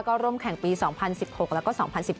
ก็ร่วมแข่งปี๒๐๑๖แล้วก็๒๐๑๙